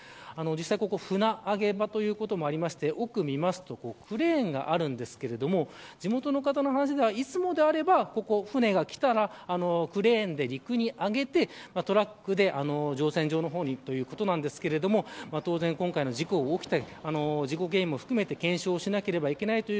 実際ここ船揚場ということもあって奥を見るとクレーンがあるんですけど地元の方の話ではいつもであれば、舟がきたらクレーンで陸に揚げてトラックで乗船場の方にということなんですけど当然、今回の事故が起きた事故原因も含めて検証しなければいけない。